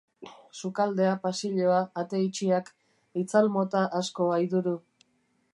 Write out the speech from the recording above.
Sukaldea, pasilloa, ate itxiak, itzal mota asko aiduru.